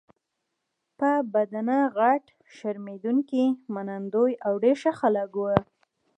په بدنه غټ، شرمېدونکي، منندوی او ډېر ښه خلک وو.